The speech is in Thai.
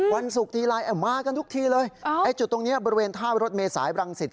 วันศุกร์ทีไลน์มากันทุกทีเลยไอ้จุดตรงนี้บริเวณท่ารถเมษายบรังสิต